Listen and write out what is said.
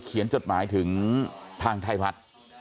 เขียนจดหมายถึงทางไทยรัฐ